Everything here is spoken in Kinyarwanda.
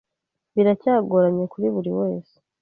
Biracyagoranye kuri buri wese